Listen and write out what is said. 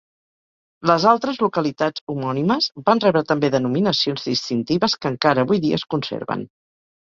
Les altres localitats homònimes van rebre també denominacions distintives que encara avui dia es conserven.